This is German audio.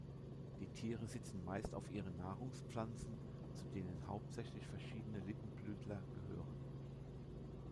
Die Tiere sitzen meist auf ihren Nahrungspflanzen, zu denen hauptsächlich verschiedene Lippenblütler gehören.